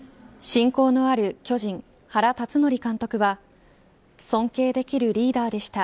親交のある巨人、原辰徳監督は尊敬できるリーダーでした。